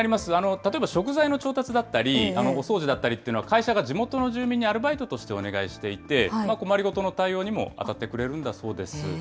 例えば食材の調達だったり、お掃除だったりというのは、会社が地元の住民にアルバイトとしてお願いしていて、困り事の対応にも当たってくれるんだそうです。